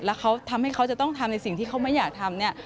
แล้วเขาทำให้เขาจะต้องทำในสิ่งที่เขาไม่อยากทำเนี่ย